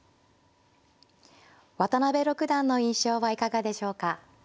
渡辺六段の印象はいかがでしょうか。